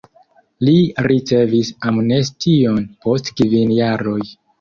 Li ricevis amnestion post kvin jaroj.